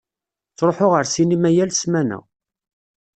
Ttṛuḥuɣ ar ssinima yal ssmana.